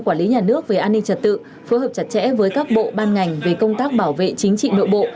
quản lý nhà nước về an ninh trật tự phối hợp chặt chẽ với các bộ ban ngành về công tác bảo vệ chính trị nội bộ